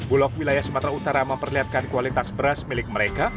bulog wilayah sumatera utara memperlihatkan kualitas beras milik mereka